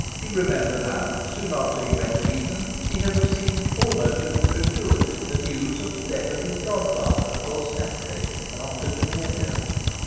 He remembered how, soon after he went to Eton, he had received almost with incredulity the news of the death of his god father, Lord Stackley, an octogenarian....